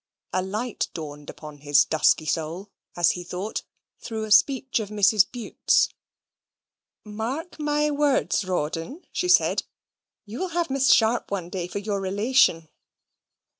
A light dawned upon his dusky soul, as he thought, through a speech of Mrs. Bute's. "Mark my words, Rawdon," she said. "You will have Miss Sharp one day for your relation."